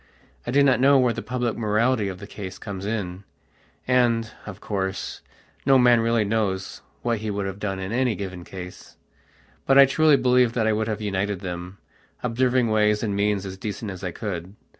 I do not know where the public morality of the case comes in, and, of course, no man really knows what he would have done in any given case. But I truly believe that I would have united them, observing ways and means as decent as I could.